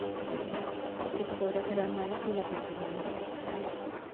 Porque sus obras eran malas, y las de su hermano justas.